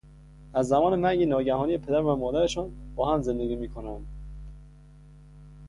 از زمان مرگ ناگهانی پدر و مادرشان با هم زندگی می کنند.